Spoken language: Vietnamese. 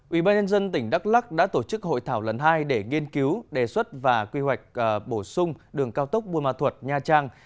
ubnd tỉnh đắk lắc đã tổ chức hội thảo lần hai để nghiên cứu đề xuất và quy hoạch bổ sung đường cao tốc buôn ma thuật nha trang